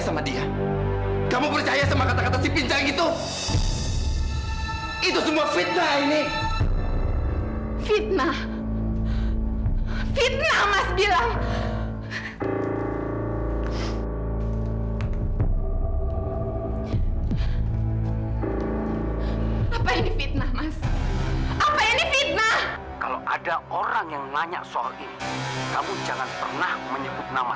sampai jumpa di video selanjutnya